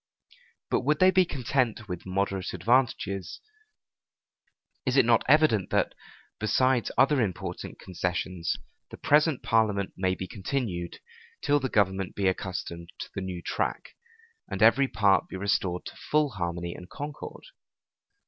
But would they be content with moderate advantages, is it not evident that, besides other important concessions, the present parliament may be continued, till the government be accustomed to the new track, and every part be restored to full harmony and concord?